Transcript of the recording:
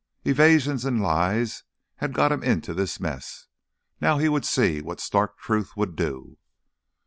Evasions and lies had gotten him into this mess; now he would see what stark truth would do.